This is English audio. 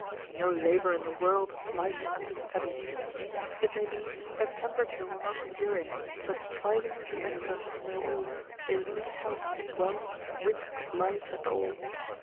No labour in the world like unto study. It may be, their temperature will not endure it, but striving to be excellent to know all, they lose health, wealth, wit, life and all.